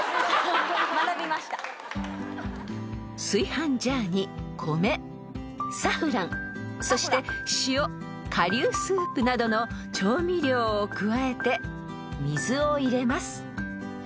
［炊飯ジャーに米サフランそして塩顆粒スープなどの調味料を加えて水を入れます］